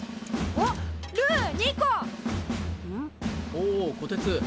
おおこてつ！